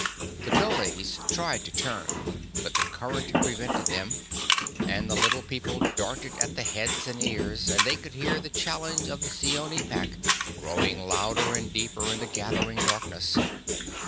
The dholes tried to turn, but the current prevented them, and the Little People darted at their heads and ears, and they could hear the challenge of the Seeonee Pack growing louder and deeper in the gathering darkness.